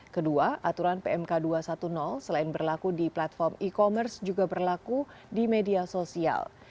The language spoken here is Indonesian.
kedua aturan pmk dua ratus sepuluh selain berlaku di platform e commerce juga berlaku di media sosial